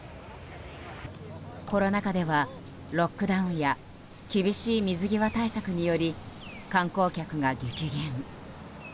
コロナ禍では、ロックダウンや厳しい水際対策により観光客が激減。